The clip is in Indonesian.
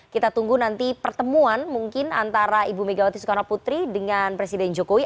kita tunggu nanti pertemuan mungkin antara ibu megawati soekarno putri dengan presiden jokowi